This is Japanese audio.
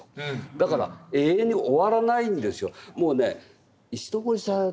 だから永遠に終わらないんですよ。